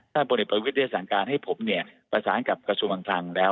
ท่านบริเวศได้สั่งการให้ผมประสานกับกระทรวงคลังแล้ว